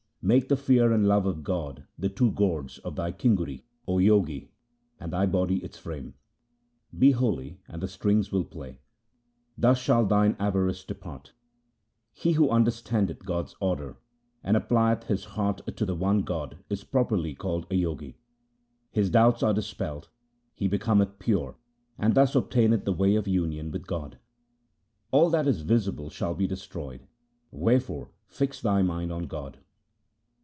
Make the fear and love of God the two gourds of thy kinguri, O Jogi, and thy body its frame. Be holy and the strings will play ; thus shall thine avarice depart. He who understandeth God's order and applieth his heart to the one God is properly called a Jogi : His doubts are dispelled, he becometh pure, and thus obtaineth the way of union with God. All that is visible shall be destroyed ; wherefore fix thy mind on God.